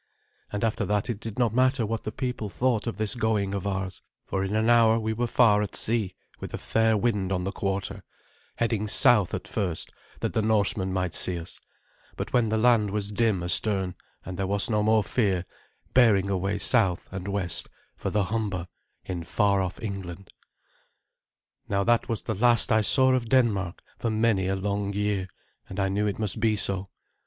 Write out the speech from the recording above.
And after that it did not matter what the people thought of this going of ours, for in an hour we were far at sea with a fair wind on the quarter, heading south at first, that the Norseman might see us, but when the land was dim astern, and there was no more fear, bearing away south and west for the Humber in far off England. Now that was the last I saw of Denmark for many a long year, and I knew it must be so.